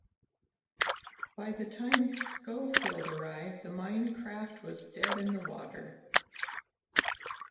By the time "Schofield" arrived, the minecraft was dead in the water.